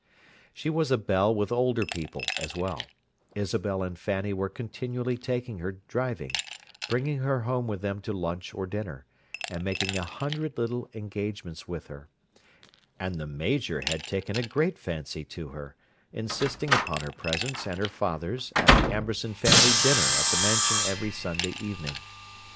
She was a belle with older people as well; Isabel and Fanny were continually taking her driving, bringing her home with them to lunch or dinner, and making a hundred little engagements with her, and the Major had taken a great fancy to her, insisting upon her presence and her father's at the Amberson family dinner at the Mansion every Sunday evening.